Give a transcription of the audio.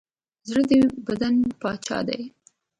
زړه د بدن پاچا دی.